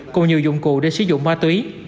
cùng nhiều dụng cụ để sử dụng ma túy